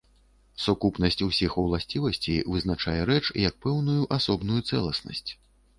Сукупнасць усіх уласцівасцей вызначае рэч як пэўную асобную цэласнасць.